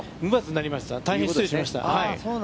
大変失礼しました。